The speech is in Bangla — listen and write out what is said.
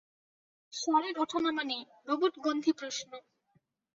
স্বরের ওঠানামা নেই, রোবট-গন্ধী প্রশ্ন।